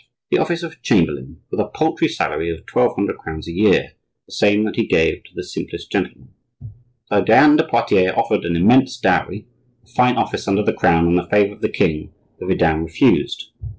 The office of chamberlain, with a paltry salary of twelve hundred crowns a year, the same that he gave to the simplest gentlemen. Though Diane de Poitiers offered an immense dowry, a fine office under the crown, and the favor of the king, the vidame refused.